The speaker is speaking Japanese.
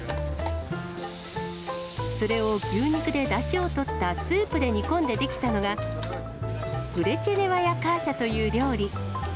それを牛肉でだしをとったスープで煮込んで出来たのが、グレチェネワヤ・カーシャという料理。